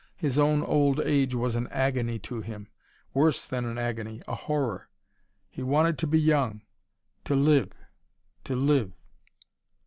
His own old age was an agony to him; worse than an agony, a horror. He wanted to be young to live, to live.